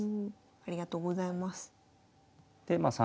ありがとうございます。